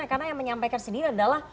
karena yang menyampaikan sendiri adalah